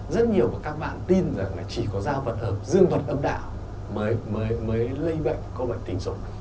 rất nhiều các bạn tin rằng chỉ có giao vật ở dương vật âm đạo mới lây bệnh có bệnh tình dục